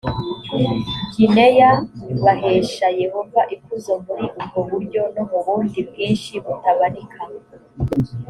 gineya bahesha yehova ikuzo muri ubwo buryo no mu bundi bwinshi butabarika